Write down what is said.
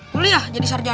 luliah jadi sarjana